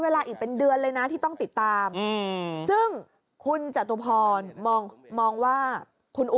เวลาอีกเป็นเดือนเลยนะที่ต้องติดตามซึ่งคุณจตุพรมองว่าคุณอุ